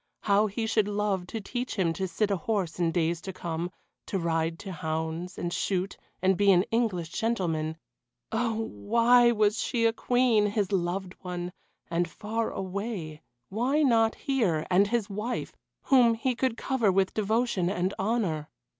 How he should love to teach him to sit a horse in days to come, to ride to hounds, and shoot, and be an English gentleman. Oh! why was she a Queen, his loved one, and far away why not here, and his wife, whom he could cover with devotion and honour?